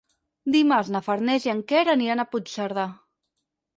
Dimarts na Farners i en Quer aniran a Puigcerdà.